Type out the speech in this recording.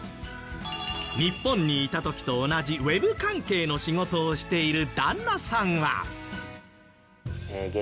日本にいた時と同じＷｅｂ関係の仕事をしている旦那さんは。